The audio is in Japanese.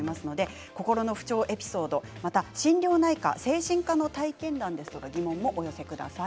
心の不調のエピソード心療内科、精神科の体験談や疑問もお寄せください。